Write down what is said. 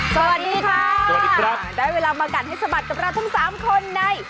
สวัสดีค่ะสวัสดีครับได้เวลามากัดให้สบัดกับรับทั้งสามคนใน